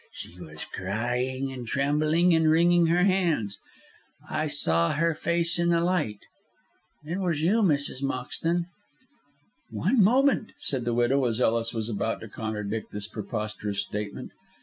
She was crying, and trembling and wringing her hands. I saw her face in the light. It was you, Mrs. Moxton." "One moment," said the widow, as Ellis was about to contradict this preposterous statement.